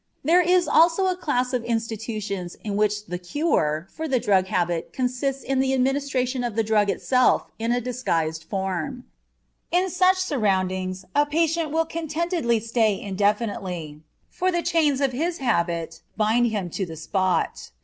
There is also a class of institutions in which the "cure" for the drug habit consists in the administration of the drug itself in a disguised form. In such surroundings a patient will contentedly stay indefinitely, for the chains of his habit bind him to the spot.